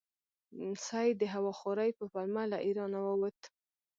سید د هوا خورۍ په پلمه له ایرانه ووت.